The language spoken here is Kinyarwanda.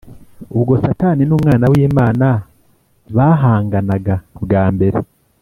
Ubwo Satani n’Umwana w’Imana bahanganaga bwa mbere